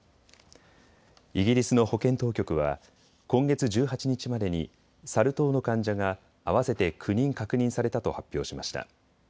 イギリスの保健当局は今月１８日までにサル痘の患者が合わせて９人確認されたと発表しました。